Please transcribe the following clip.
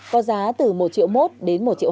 có giá từ một triệu một đến một triệu hai